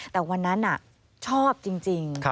แต่วันนั้นชอบจริง